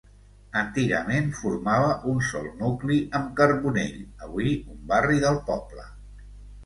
Antigament formava un sol nucli amb Carbonell, avui un barri del poble.